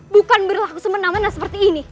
bukan berlaku semenang menang seperti ini